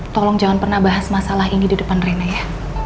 tolong jangan pernah bahas masalah ini di depan rena ya